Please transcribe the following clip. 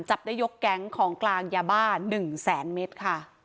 จับได้ยกแก๊งของกลางยาบ้า๑๐๐๐๐๐เมตร